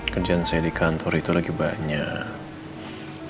kerjaan saya di kantor itu lagi banyak